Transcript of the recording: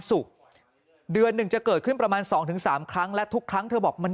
เดือนหนึ่งจะเกิดขึ้นประมาณ๒๓ครั้งและทุกครั้งเธอบอกมัน